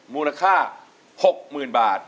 มูลค่า๖๐๐๐บาท